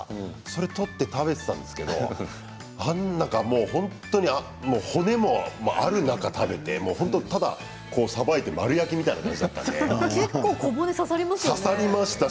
それを取って食べていたんですけれど本当に骨もある中で食べてたださばいて丸焼きみたいな感じでした。